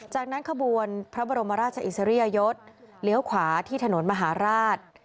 จากนั้นขบวนพระบรมราชอิสริยยศเลี้ยวขวาที่ถนนมหาราช